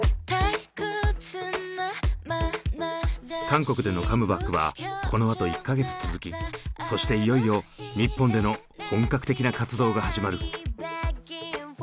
韓国でのカムバックはこのあと１か月続きそしていよいよ日本での本格的な活動が始まる。